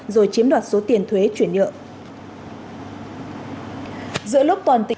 rồi chiếm đoạt số tiền thuế chuyển nhượng